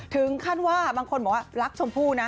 ถึงขั้นว่าบางคนบอกว่ารักชมพู่นะ